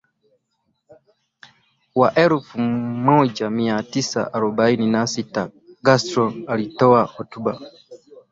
Wa elfu moja mia tisa arobaini na sita Castro alitoa hotuba